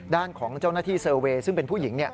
ด้านของเจ้าหน้าที่เซอร์เวย์ซึ่งเป็นผู้หญิง